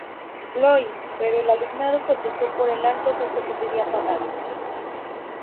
Louis, pero el alumnado protestó por el alto costo que sería pagado.